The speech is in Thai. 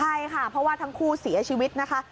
ใช่ค่ะเพราะว่าทั้งคู่เสียชีวิตนะคะ